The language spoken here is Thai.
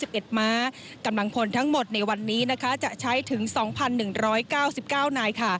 กำลังพลรักษาพระองค์ทั้งหมดในวันนี้จะใช้ถึง๒๑๙๙นาย